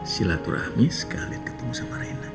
silaturahmi sekali ketemu sama reina